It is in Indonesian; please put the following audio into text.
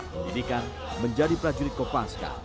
pendidikan menjadi prajurit kopanska